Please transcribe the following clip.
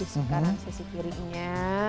di sisi kanan sisi kirinya